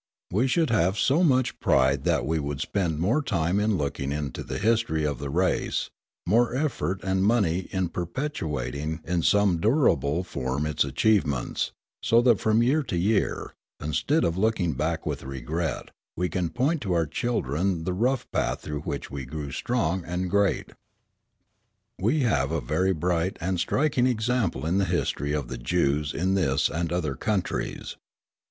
We should have so much pride that we would spend more time in looking into the history of the race, more effort and money in perpetuating in some durable form its achievements, so that from year to year, instead of looking back with regret, we can point to our children the rough path through which we grew strong and great. We have a very bright and striking example in the history of the Jews in this and other countries.